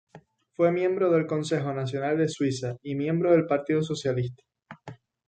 Fue miembro del Consejo Nacional de Suiza y miembro del Partido Socialista.